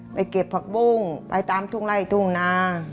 เก็บผักบุ้งไปตามทุ่งไล่ทุ่งนา